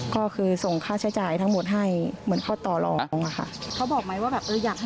ก็คือส่งค่าใช้จ่ายทั้งหมดให้เหมือนก็ต่อรองอะค่ะ